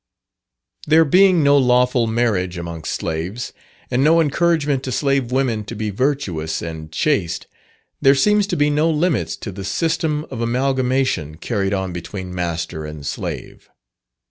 There being no lawful marriage amongst slaves, and no encouragement to slave women to be virtuous and chaste, there seems to be no limits to the system of amalgamation carried on between master and slave.